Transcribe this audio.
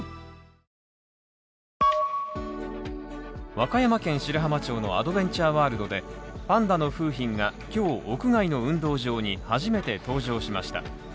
和歌山県白浜町のアドベンチャーワールドで、パンダの楓浜が、今日屋外の運動場に初めて登場しました。